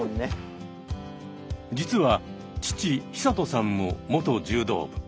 実は父久人さんも元柔道部。